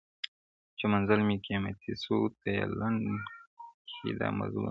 چي منزل مي قیامتي سو ته یې لنډ کې دا مزلونه-